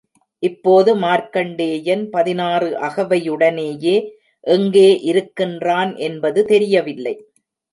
இப்போது மார்க்கண்டேயன் பதினாறு அகவையுடனேயே எங்கே இருக்கின்றான் என்பது தெரியவில்லை.